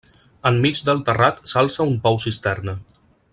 Enmig del terrat s'alça un pou-cisterna.